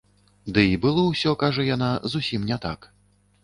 Ды і было ўсё, кажа яна, зусім не так.